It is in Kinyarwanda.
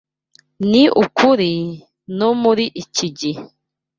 Ni ukuri, no muri iki gihe